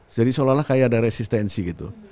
jadi seolah olah kayak ada resistensi gitu